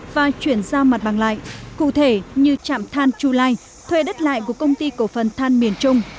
và chuyển giao mặt bằng lại cụ thể như trạm than chu lai thuê đất lại của công ty cổ phần than miền trung